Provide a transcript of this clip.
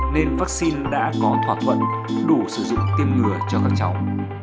nên vắc xin đã có thỏa thuận đủ sử dụng tiêm ngừa cho các cháu